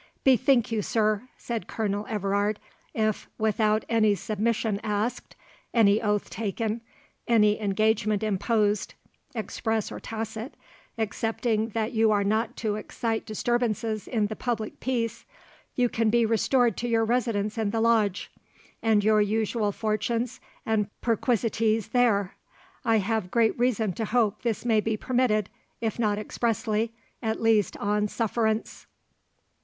"Bethink you, sir," said Colonel Everard, "if, without any submission asked, any oath taken, any engagement imposed, express or tacit, excepting that you are not to excite disturbances in the public peace, you can be restored to your residence in the Lodge, and your usual fortunes and perquisities there—I have great reason to hope this may be permitted, if not expressly, at least on sufferance."